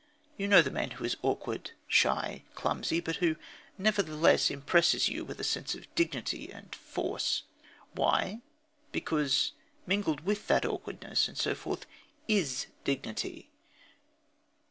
You know the man who is awkward, shy, clumsy, but who, nevertheless, impresses you with a sense of dignity and force. Why? Because mingled with that awkwardness and so forth is dignity.